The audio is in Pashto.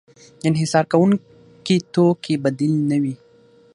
د انحصار کوونکي د توکې بدیل نه وي.